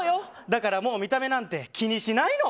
だからもう見た目なんて気にしないの。